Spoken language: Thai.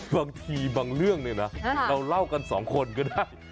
บางทีบางเรื่องเนี่ยนะเราเล่ากันสองคนก็ได้